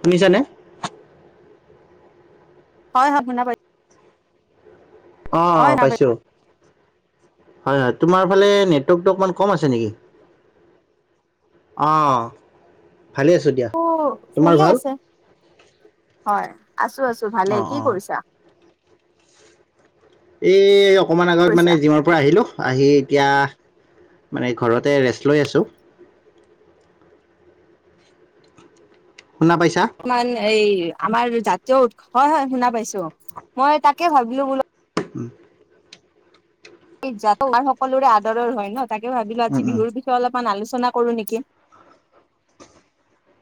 শুনিছানে। হয় হয় বুনা পাইছ। অ অ পাইছো। হয় হয় তোমাৰ ফালে নেটৱৰ্কটো অকণমান কম আছে নেকি? অ'। ভালে আছোঁ দিয়া অ', তোমাৰ ফুুল ভাল আছে। হয় আছো আছো ভালে অ' কি অ' কৰিছা? এ অকমান আগত কৰিছা মানে জিমৰ পৰা আহিলো আহি এতিয়া মানে ঘৰতে ৰেষ্ট লৈ আছোঁ। শুনা পাইছা কিমান এই আমাৰ। জাতীয় উৎস হয় হয় শুনা পাইছো মই তাকে ভাবিলো বোল। উম। যাো আমাৰ সকলোৰে আদৰৰ হয় ন তাকে ভাবিলো উম, আজি উম। বিহুৰ বিষয়ে অলপ। আলোচনা কৰো নেকি?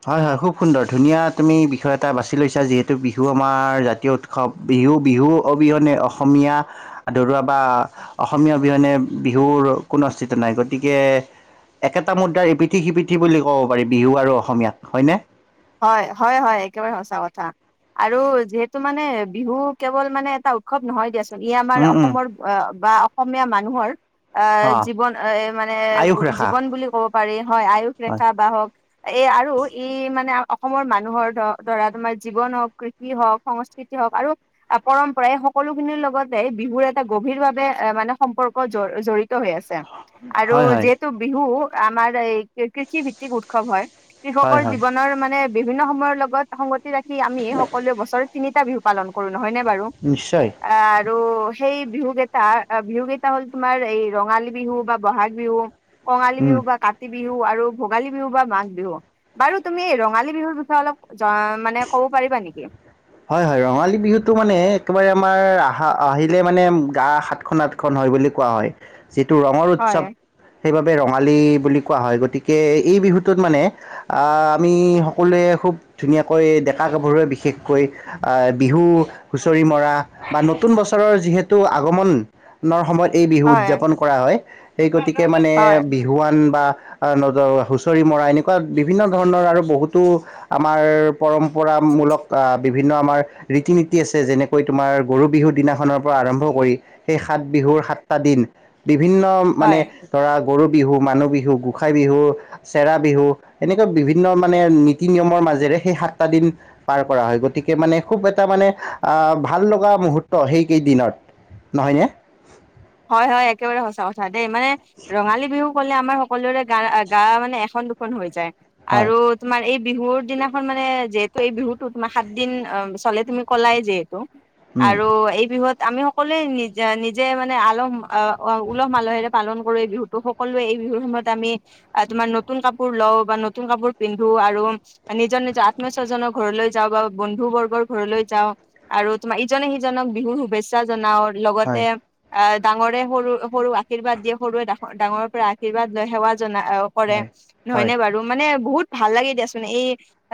হয়-হয় খুব সুন্দৰ ধুনীয়া তুমি বিষয় এটা বাছি লৈছা যিহেতু বিহু আমাৰ জাতীয় উৎসৱ। বিহু- বিহু অবিহনে অসমীয়া ধৰুৱা বা অসমীয়া অবিহনে বিহুৰ কোনো অস্তিত্ব নাই, গতিকে একেটা মুদ্ৰাৰ ইপিঠি সিপিঠি বুলি ক'ব পাৰি বিহু আৰু অসমীয়া। হয়নে? হয় হয়- হয়, একেবাৰে সঁচা কথা। আৰু যিহেতু মানে বিহু কেৱল মানে এটা উৎসৱ নহয় দিয়াচো ই আমাৰ উম উম অসমৰ বা অসমীয়া মানুহৰ আ অ জীৱন এ মানে আয়ুস ৰেখা জীৱন বুলি ক'ব পাৰি হয় আয়ুস হয় ৰেখা বা হওক। এই আৰু ই মানে আ অসমৰ মানুহৰ দ ধৰা তোমাৰ জীৱন হওক, কৃষি হওক, সংস্কৃতি হওক আৰু পৰম্পৰা এই সকলোখিনিৰ লগতে বিহুৰ এটা গভীৰভাৱে মানে সম্পৰ্ক জড় জড়ি ত হৈ আছে, আৰু হয় হয় যিহেতু বিহু আমাৰ এই কৃষি ভিত্তিক উৎসৱ হয় হয় কৃষকৰ হয় জীৱনৰ মানে বিভিন্ন সময়ৰ লগত সংগতি ৰাখি আমি সকলোৱে বছৰ তিনি তা বিহু পালন কৰো নহয়নেে বাৰু নিশ্চয় আহ আৰু সেই বিহু কেইটা বিহু কেইটা হ'ল তোমাৰ এই ৰঙালী বিহু বা বহাগ বিহু কঙালী উম বিহু বা কাতি বিহু আৰু ভোগালী বিহু বা মাঘ বিহু। বাৰু তুমি ৰঙাল লী বিহুৰ বিষয়ে অলপ জ মানে ক'ব পাৰিবা নেকি? হয় হয় ৰঙালী বিহুটো মানে একেবাৰে আমাৰ আহা আহিলে মানে গা সাতখন আঠখন হয় হয় বুলি কোৱা হয়, যিটো ৰঙৰ হয় উৎসৱ সেইবাবে ৰঙালী বুলি কোৱা হয়, গতিকে এই বিহুটোত মানে আমি সকলোৱে খুব ধুনীয়াকৈ ডেকা গাভৰুৱে বিশেষ কৈ আ বিহু হুঁচৰি মৰা বা নতুন বছৰৰ যিহেতু আগমন নৰ সময়ত এই বিহু হয় উদযাপন কৰা হয়, সেই গতিকে মানে হয় বিহুৱান বা নদ হুঁচৰি মৰা এনেকুৱা বিভিন্ন ধৰণৰ আৰু বহুতো আমাৰ পৰম্পৰামূলক আ বিভিন্ন আমাৰ ৰীতি নীতি আছে, যেনেকৈ তোমাৰ গৰু বিহুৰ দিনাখনৰ পৰা আৰম্ভ কৰি সেই সাত সাত বিহুৰ সাতটা দিন বিভিন্ন মানে হয়। ধৰা গৰু বিহু, মানুহ বিহু, গোসাই বিহু, চেৰা বিহু এনেকুৱা বিভিন্ন মানে নীতি নিয়মৰ মাজেৰে সেই সাতটা দিন পাৰ কৰা হয়, গতিকে মানে খুব এটা মানে আহ ভাল লগা মুহৰ্ত সেইকেইদিনত। নহয়নে? হয় হয় একেবাৰে সচা কথা দেই মানে ৰঙালী বিহু হলে আমাৰ সকলোৰে গা-গা মানে এখন দুখন হৈ যায়। হয় আৰু তোমাৰ এই বিহুৰ দিনাখন মানে ত', এই বিহুতো তোমাৰ সাত দিন চলে তুমি কলাই যিহেতু উম আৰু এই বিহুত আমিও ক'লে নিজ-নিজে মানে আলহ আহ উলহ মালহেৰে পালন কৰে এই বিহুটো, সকলোৱে এই বিহুৰ সময়ত আমি তোমাৰ নতুন কাপোৰ লও বা নতুন কাপোৰ পিন্ধো আৰু নিজৰ নিজৰ আত্ম স্বজনৰ ঘৰলৈ যাও বা বন্ধু [unintelligible] বৰ্গৰ ঘৰলৈ যাও আৰু তোমাৰ ইজনে সিজনক বিহুৰ শুভেচ্ছা জনাও হয় লগতে আহ, ডাঙৰে সৰু-সৰুক আশীৰ্বাদ দিয়ে, সৰুৱে ডাঙৰৰ পৰা আশীৰ্বাদ লৈ সেৱা [unintelligible] কৰে হয় হয় নহয়নে বাৰু মানে বহুত ভাল লাগে দিয়াচোনে এই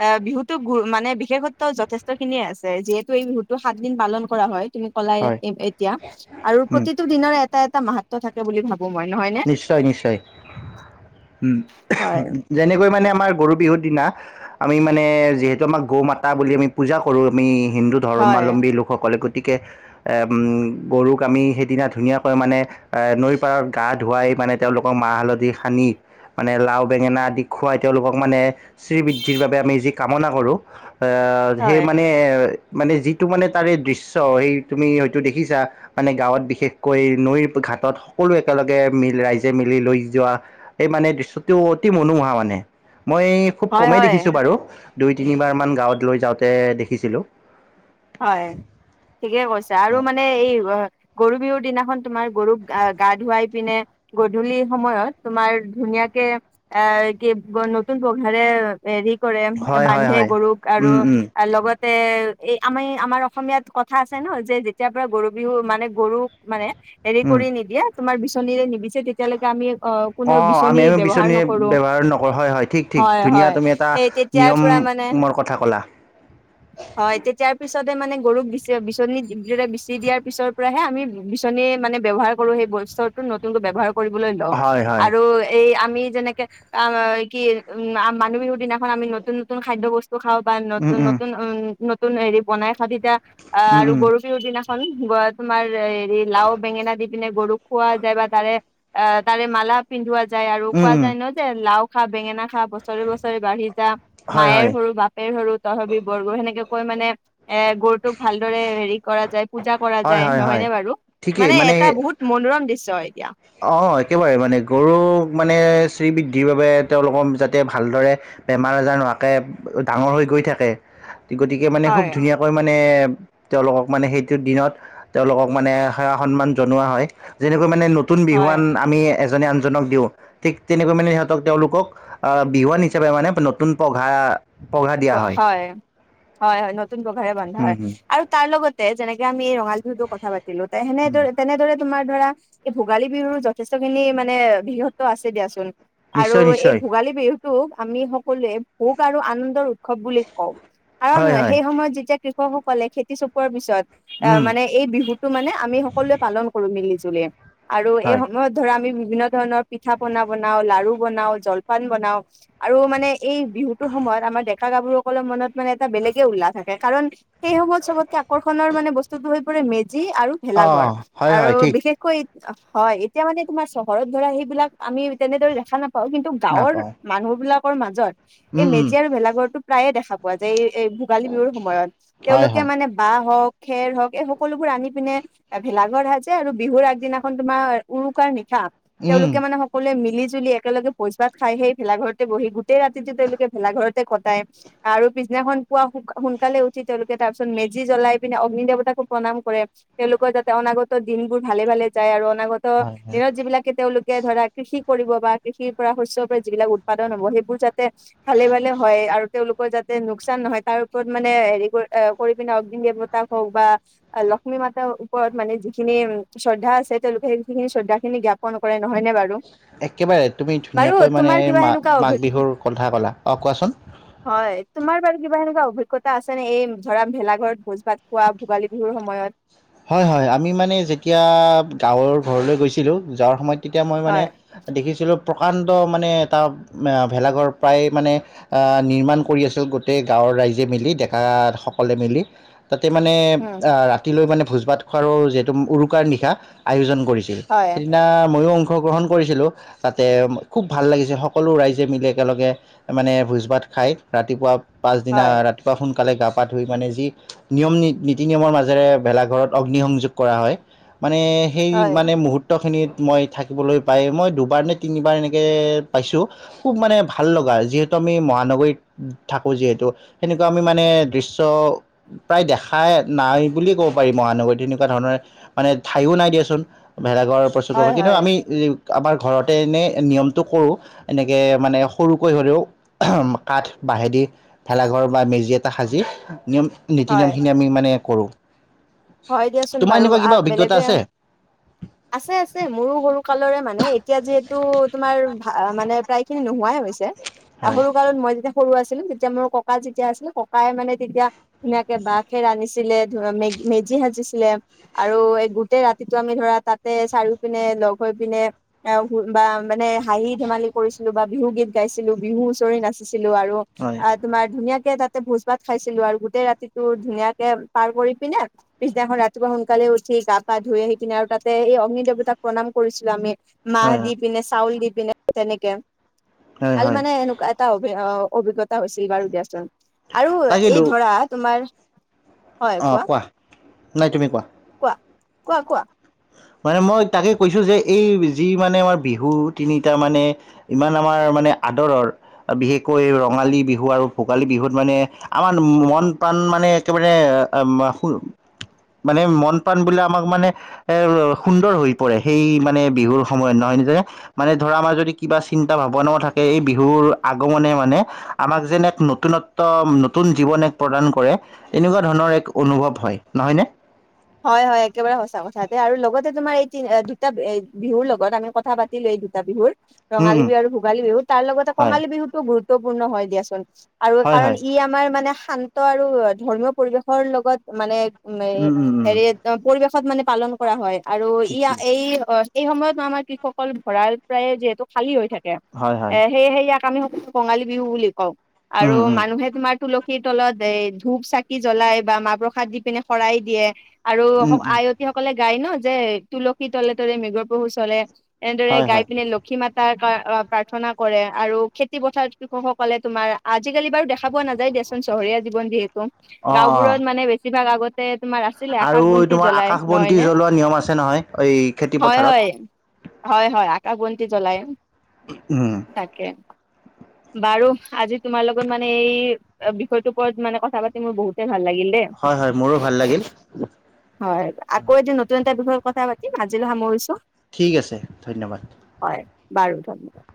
অ', বিহুতো গ মানে বিশেষত্ব যথেষ্ট খিনিয়ে আছে যিহেতু এই বিহুতো সাতদিন পালন কৰা হয়। তুমি কলাই হয় এতিয়া আৰু উম প্ৰতিটো দিনৰ এটা এটা মাহাত্ব থাকে বুলি ভাব নিশ্চয় নিশ্চয়। উম, হয় যেনেকৈ মানে আমাৰ গৰু বিহুৰ দিনা আমি মানে যিহেতু আমাৰ গৌ মাতা বুলি আমি পূজা কৰো আমি হিন্দু হয় ধৰ্মাৱলম্বী লোকসকলে [unintelligible] গৰুক আমি সেইদিনা ধুনীয়াকৈ মানে নৈ পাৰৰ গা ধুৱাই মানে তেওঁলোকক মাহ হালধি সানি মানে লাও বেঙেনা আদি খুৱাই তেওঁলোকক মানে শ্ৰীবৃদ্ধিৰ বাবে আমি যি কামনা কৰোঁ, সেই হয় মানে মানে যিটো মানে তাৰে দৃশ্য সেই তুমি হয়তো দেখিছা, মানে গাঁৱত বিশেষকৈ নৈৰ ঘাটত সকলোৱে একেলগে মিল ৰাইজে মিলি লৈ যোৱা, এই মানে দৃশ্যটো অতি মনোমোহা মানে। মই এই খুব হয় কমেই হয় দেখিছোঁ বাৰু দুই তিনিবাৰমান গাঁৱত লৈ যাওঁতে দেখিছিলোঁ হয় ঠিকেই কৈছে আৰু মানে এই গৰু বিহুৰ দিনাখন তোমাৰ গৰুক আহ গা ধুৱাই পিনে গধূলি সময়ত তোমাৰ ধুনীয়া আহ কি নতুন প্ৰঘাৰেৰি কৰে হয় হয় বান্ধে হয় গৰুক আৰু উম উম লগতে এই আমি আমাৰ অসমীয়াত কথা আছে ন যেতিয়াৰ পৰা গৰু বিহু মানে গৰুক মানে হেৰি উম কৰি নিদিয়া তোমাৰ বিচনীৰে নিবিচছে তেতিয়ালৈকে আমি অ কোনেও অ', বিচনী আমি আমি ব্যৱহাৰ বিচনী নকৰো ব্য্ৱহাৰ নকৰো হয় হয় ঠিক ঠিক হয় ধুনীয়া হয় তুমি এটা সেই তেতিয়াৰ নিয়ম পৰা মানে মোৰ কথা ক'লা? হয় তেতিয়াৰ পিছ পিছতে মানে গৰুক বিচি বিচনী ব বিচি দিয়াৰ পিছৰ পৰাহে আমি বিচনী মানে ব্যৱহাৰ কৰো সেই শস্য নতুনকৈ ব্যৱহাৰ কৰিবলৈ লয় হয় হয় আৰু এই আম আমি যেনেকে আ কি উম মানুহ বিহু দিনাখন আমি নতুন নতুন খাদ্যয় বস্তু খাওঁ বা উম নতুন উম নতুন উ নতুন হেৰি বনাই খতি আহ উম আৰু উম গৰু বিহুৰ দিনা গ তোমাৰ হেৰি লাও বেঙেনা দি পিনে গৰুক খোৱা যায় বা তাৰে অ তাৰে মালা পিন্ধোৱা যায় আৰু উম কোৱা উম যায় ন যে লাও খা বেঙেনা খা বছৰে বছৰে বাঢ়ি যা হয় মায়েৰ হয় সৰু বাপেৰ সৰু তয় বৰগ সেনেকে কৈ মানে এ গৰুটোক ভালদৰে হেৰি কৰা যায় পূজা কৰা হয় যায় হয় হয় নহয়নে বাৰু মানে এটা বহুত মনোৰম দৃশ্য হয় এতিয়া অ', একেবাৰে মানে গৰু মানে বৃদ্ধিৰ বাবে তেওঁলোকৰ যাতে ভালদৰে বেমাৰ আজাৰ নোৱাকৈ ডাঙৰ হৈ গৈ থাকে গতিকে মানে খুব হয় ধুনীয়াকৈ মানে তেওঁলোকক মানে সেইটো দিনত, তেওঁলোকক মানে সেৱা সন্মান জনোৱা হয়, যেনেকৈ মানে নতুন হয় বিহুৱান আমি এজ আনজনক দিওঁ ঠিক তেনেকৈ মানে সিহতক তেওঁলোকক আহ বিহুৱান হিচাপে মানে নতুন পঘা পঘা দিয়া হয়। হয়, হয় নতুন পঘাৰে বন্ধা উম, হয় হম, আৰু তাৰ লগতে যেনেকে আমি মঙালহুতো কথা পাতিলো তাই সেনেদৰে তেনেদৰে তোমাৰ ধাৰৰা এই ভোগালী বিহুৰো যথেষ্ট খিনি মানে বৃহত্ব আছে দিয়াচোন আৰু নিশ্চয় এই নিশ্চয় ভোগালী বিহুতোক আমি সকলোৱে ভোগ আৰু আনন্দৰ উ উৱ বুলি কওঁ কাৰণ হয় হয় সেই সময়ত যেতিয়া কৃষকসকলে খেতি চপোৱাৰ পিছত অ', উম, মানে এই বিহুতটো মানে আমি সকলোৱে পালন কৰো মিলি জুলি আৰু এই হয় সময়ত ধৰা আমি বিভিন্ন ধৰণৰ পিঠা পনা বনাও লাৰু বনাও জলপান বনাও আৰু মানে এই বিহুতৰ সময়ত আমাৰ দে কা গাভৰুসকলৰ মনত মানে এটা বেলেগে উল্লাহ থাকে, কাৰণ সেই সময়ত চবতকে আকৰ্ষণৰ মানে বস্তুটো মেজি আৰু অ ভেলাঘৰ হয় আৰু হয় ঠিক বিশেষকৈ হয়, এতিয়া মানে তোমাৰ চহৰত ধৰা সেইবিলাক আমি তেনেদৰে দেখা নাপাওঁ কিন্তু গাঁৱৰ নাপাওঁ মানুহ বিলাকৰ মাজত এই উম, উম, মেজিয় আৰু ভেলাঘৰটো প্ৰায়ে দেখা পোৱা যায় এই এই ভোগালী বিহুৰ সময়ত, হয় তেওঁলোকে হয় মানে বাঁহ হওঁক খেৰ হওক এই সকলোবোৰ আনি পিনে ভেলাঘৰ সাজে যে আৰু বিহুৰ আগদিনাখন তোমাৰ উৰুকাৰ নেকি থ উম, তেওঁলোকে মানে সকলোৱে মিলি ুলি একেলগে ভোচইচপাত খাই সেই ভেলা ঘৰতে বহি গোটেই ৰাতিতটো তেওঁলোকে ভেলা ঘৰতে কটায় আৰু পিছদিনাখন পুৱোৱা সোনকালে উঠি তেওঁলোকে তাৰ পিছত মেজি জ্বলাই পিনে অগ্নি দেৱতাকো প্ৰণাম কৰি তেওঁলোকৰ যাতে অনাগত দিনবোৰ ভালে ভালে যায় আৰু অনাগত হয় হয় দিনত যিবিলাকে তেওঁলোকে ধৰা কৃষি কৰিব বা কৃষিৰ পৰা শস্ৰ পৰা যিবিলাক উৎপাদন হ'ব সেইবোৰ যাতে ভালে, ভালে হয় আৰু তেওঁলোকৰ যাতে লোকচান নহয় তাৰ ওপৰত মানে হেৰি পিনে অগ্মি দেৱতাক হওক বা লক্ষ্মী মাতাৰ ওপৰত মানে যিখিনি শ্ৰদ্ধা আছে, তেওঁলোকে সেইখিনি শ্ৰদ্ধাখিনি জ্ঞাপন কৰে। নহয় নে বাৰু একেবাৰে তুমি বাৰু ধুনীয়াকৈ মানে তোমাৰ কিবা মা সেনেকুৱা অভি মাঘ বিহুৰ কথা ক'লা অ', কোৱাচোন। হয় তোমাৰ বাৰ কিবা এনেকুৱা অভিজ্ঞতা আছে নে এই ধৰা ভেলাঘৰত ভোজ ভাত খোৱা ভোগালী বিহুৰ সময়ত হয়, হয়, আমি মানে যেতিয়া গাঁৱৰ ঘৰলৈ গৈছিলোঁ যোৱাৰ সময়ত তেতিয়া মই মানে হয় দেখিছিলোঁ প্ৰকাণ্ড মানে এটা ভেলাঘৰ প্ৰায় মানে নিৰ্মাণ কৰি আছিল গোটেই গাঁওত ৰাইজে মিলি ডেকাসকলে মিলি তাতে মানে উম ৰাতিলৈ মানে ভোজ ভাত খোৱাৰো যিহেতু উৰুকাৰ নিশা আয়োজন কৰিছিল হয় সেইদিনা মইয়ো অংশগ্ৰহণ কৰিছিলোঁ তাতে খুব ভাল লাগিছে সকলো ৰাইজে মিলি একেলগে মানে ভোজ ভাত খায় ৰাতিপুৱা পাছদিনা হয় ৰাতিপুৱা সোনকালে গা পা ধুই মানে যি নিয়ম নীতি নিয়মৰ মাজেৰে ভেলা ঘৰত অগ্নিসংযোগ কৰা হয় মানে সেই হয় মানে মুহূৰ্তখিনিত মই থাকিবলৈ পাই মই দুবাৰ নে তিনিবাৰ এনেকে পাইছো খুব মানে ভাল লগা যিহেতু আমি মহানগৰীত থাকো যিহেতু সেনেকুৱা আমি মানে দৃশ্য প্ৰায় দেখাই নাই বুলি ক'ব পাৰি মহানগৰী তেনেকুৱা ধৰণৰ মানে ঠাইয়ো নাই দিয়েচোন ভেলাঘৰ প্ৰস্তুত হয় কৰিব কিন্তু হয় আমি আমাৰ ঘৰতে এনেই নিয়মটো কৰোঁ এনেকে মানে সৰুকৈ হলেও কাঠ বাঁহেদি ভেলাঘৰ বা মেজি এটা সাজি নিয়ম নীতি হয় নিয়মখিনি আমি মানে কৰোঁ হয় দিয়াচোন তোমাৰ বাৰু এনেকুৱা কিবা আহ অভিজ্ঞতা বেলেগে আছে আছে আছে মোৰো সৰু কালৰে মানে এতিয়া যিহে তো তোমাৰ ভা মানে প্ৰায় খিনি নোহোৱাই হৈছে হয় সৰু কালত মই যেতিয়া সৰু আছিলো তেতিয়া মোৰ ককা যেতিয়া আছিলে ককাইয়ে মানে তেতিয়া ধুনীয়াকে বাঘে ৰান্ধনিছিলে ধুৰা মেগ মেজি সাজিছিলে আৰু এই গোটেই ৰাতিটো আমি ধৰা তাতে চাৰি পিনে লগ হৈ পিনে এ বাহ মানে হাঁহি ধেমালি কৰিছিলো বা বিহু গীত গাইছিলো বিহু হুচৰি নাচিছ ছিলো আৰু হয় আ' তোমাৰ ধুনীয়াকে তাত। তাতে ভোজ ভাত খাইছিলো আৰু গোটেই ৰাতিটো ধুনীয়াকে পাৰ কৰি পিনে। পিছদিনাখন ৰাতিপুৱা সোনকালে উঠি গা পা ধুই আহি কিনে আৰু তাতে এই অগ্নি দেৱতাক প্ৰণাম কৰিছিলো আমি। মাহ হয় হয় দি পিনে, চাউল দি পিনে, তেনেকে হয় ভাল হয় মানে এনেকুৱা এটা [unintelligible] অভিজ্ঞতা হৈছিল বাৰু দিয়াচোন, আৰু এই তাকেইতো ধৰা তোমাৰ হয় কোৱা। নাই, তুমি কোৱা। কোৱা কোৱা কোৱা। মানে মই তাকে কৈছো যে এই যি মানে আমাৰ বিহু তিনিটা মানে, ইমান আমাৰ। মানে আদৰৰ। বিশেষকৈ ৰঙালী বিহু আৰু ভোগালী বিহুত মানে আমাৰ মন প্ৰাণ মানে একেবাৰে মানে মন প্ৰাণ বিলাক আমাক মানে এ সুন্দৰ হৈ পৰে, সেই মানে বিহুৰ সময়ত নহয় [unintelligible] মানে ধৰা আমাৰ যদি কিবা চিন্তা ভাৱনাও থাকে। এই বিহুৰ আগমনে মানে আমাক যেন এক নতুনত্ব নতুন জীৱন এক প্ৰদান কৰে। এনেকুৱা ধৰণৰ এক অনুভৱ হয়। নহয় নে? হয় হয়, একেবাৰে সচা কথা দেই। আৰু লগতে তোমাৰ এইতি দুটা বিহুৰ লগত আমি কথা পাতিলোৱে। দুটা বিহুৰ উম ৰঙালী উম বিহু আৰু ভোগালী বিহু। তাৰ লগতে হয় কঙালী বিহুটোও গুৰুত্বপূৰ্ণ হয় দিয়াচোন। আৰু হয় কাৰণ হয় ই আমাৰ মানে শান্ত আৰু ধৰ্মীয় পৰিৱেশৰ লগত মানে উম উম উম হেৰি পৰিৱেশত মানে পালন কৰা হয়। আৰু ই ঠিকেই এই এই সময়ত আমাৰ কৃষকৰ ভঁৰাল প্ৰায়ে যিহেতু খালী হৈ থাকে। হয় হয় এ সেয়ে সেয়া আমি কঙালী বিহু বুলি কওঁ। আৰু উম উম মানুহে তোমাৰ তুল সীৰ তলত এ ধূপ, চাকি জ্বলাই বা মাহ-প্ৰসাদ দি পিনে শৰাই দিয়ে। আৰু উম উম আইয়তী সকলে গায় ন যে তুলসী তলে তলে মৃগৰ পহু চৰে। এনেদৰে হয় গাই হয় পিনে লক্ষী মাত। তাৰ প্ৰাৰ্থনা কৰে আৰু খেতি পথাৰ কৃষকসকলে তোমাৰ আজিকালি বাৰু দেখা পোৱা নাযায়। চহৰীয়া জীৱন যিহেতু অ গাওঁ অ বোৰত মানে বেছি ভাগ আগতে তোমাৰ আছিলে আকাশ আৰু বন্তি তোমাৰ জ্বলাই আকাশ নহয় বন্তি ন জ্বলোৱা নিয়ম আছে নহয় এই খেতি হয় পথাৰত হয়। হয় হয় আকাশ বন্তি জ্বলাই। উম। তাকে বাৰু আজি তোমাৰ লগত মানে এই বিষয়টোৰ ওপৰত মানে কথা পাতি মোৰ বহুতে। ভাল লাগিল দেই হয় হয় মোৰো ভাল লাগিল। হয় আকৌ এদিন নতুন এটা বিষয়ে কথা পাতিম আজিলৈ সামৰিছো। ঠিক আছে ধন্যবাদ। হয় বাৰু ধন্যবাদ।